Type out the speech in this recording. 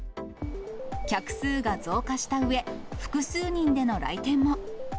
客数が増加したうえ、複数人での来店も。